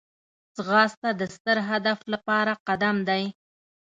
ځغاسته د ستر هدف لپاره قدم دی